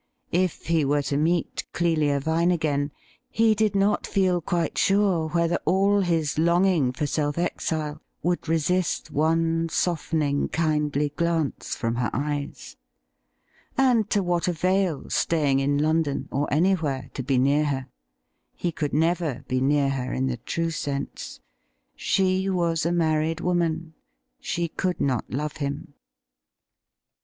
If he were to meet Clelia Vine again, he did not feel quite sure whether all his longing for self exile would resist one softening, kindly glance from her eyes. And to what avail staying in London or anywhere to be near her ? He could never be near her in the true sense. She was a married woman — she could not love him.